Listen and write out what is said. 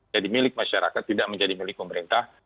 jadi milik masyarakat tidak menjadi milik pemerintah